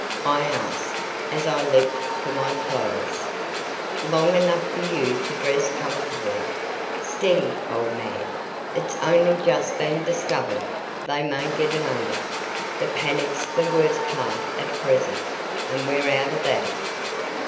I asked, as I leaped for my clothes. "Long enough for you to dress comfortably. Steady, old man! It's only just been discovered; they may get it under. The panic's the worst part at present, and we're out of that."